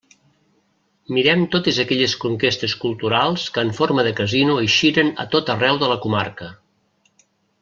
Mirem totes aquelles conquestes culturals que en forma de casino eixiren a tot arreu de la comarca.